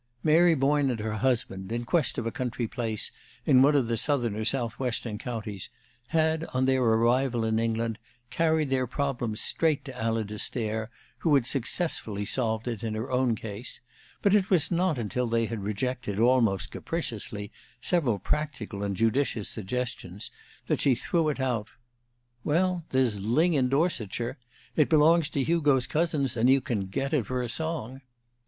Mary Boyne and her husband, in quest of a country place in one of the southern or southwestern counties, had, on their arrival in England, carried their problem straight to Alida Stair, who had successfully solved it in her own case; but it was not until they had rejected, almost capriciously, several practical and judicious suggestions that she threw it out: "Well, there's Lyng, in Dorsetshire. It belongs to Hugo's cousins, and you can get it for a song."